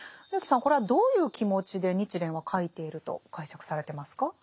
植木さんこれはどういう気持ちで日蓮は書いていると解釈されてますか？